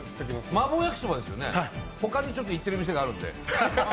マーボー焼きそばですよね、ほかに行ってる店があるんで。